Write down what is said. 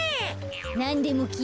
なんでもきいて。